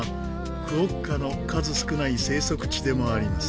クオッカの数少ない生息地でもあります。